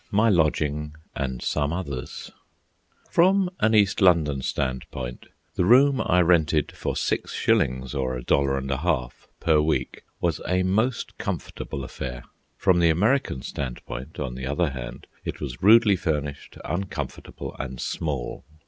MY LODGING AND SOME OTHERS From an East London standpoint, the room I rented for six shillings, or a dollar and a half, per week, was a most comfortable affair. From the American standpoint, on the other hand, it was rudely furnished, uncomfortable, and small.